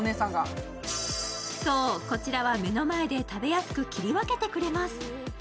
そう、こちらは目の前で食べやすく切り分けてくれます。